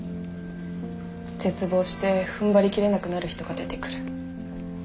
絶望してふんばり切れなくなる人が出てくる。